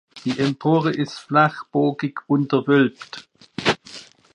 Die Empore ist flachbogig unterwölbt.